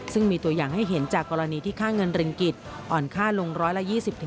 ซึ่งมีตัวอย่างให้เห็นจากกรณีที่ค่าเงินริงกิจอ่อนค่าลง๑๒๐